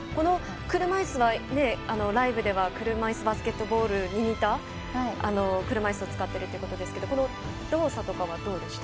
車いすはライブでは車いすバスケットボールに似た車いすを使っているということですが動作とかはどうでした？